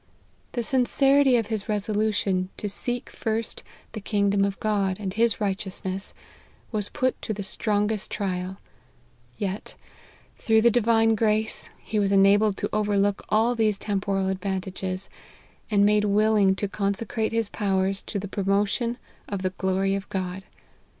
The sincerity of his resolution to seek first the kingdom of God, and his righteousness, was put to the strongest trial ; yet, through the Di vine grace, he was enabled to overlook all these temporal advantages, and made willing to conse crate his powers to the promotion of the glory of God.